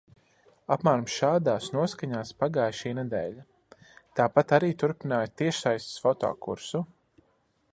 Apmēram šādās noskaņās pagāja šī nedēļa. Tāpat arī turpināju tiešsaistes fotokursu.